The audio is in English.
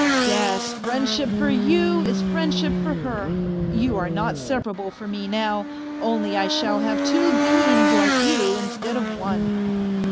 Yes, friendship for you is friendship for her ; you are not separable for me now, only I shall have two beings like you instead of one.